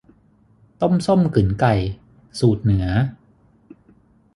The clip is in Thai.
ต้มส้มกึ๋นไก่ สูตรเหนือ